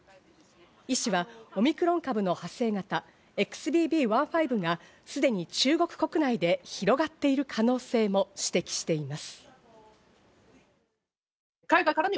医師はオミクロン株の派生型ＸＢＢ．１．５がすでに中国国内で広がっている可能性も指摘しています。